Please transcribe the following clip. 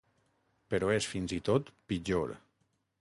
Però és fins i tot pitjor.